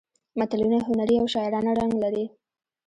متلونه هنري او شاعرانه رنګ لري